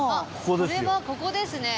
これはここですね。